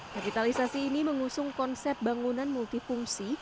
revitalisasi ini mengusung konsep bangunan multifungsi